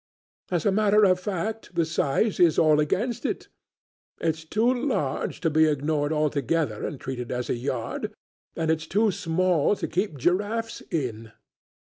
As a matter of fact, the size is all against it; it's too large to be ignored altogether and treated as a yard, and it's too small to keep giraffes in.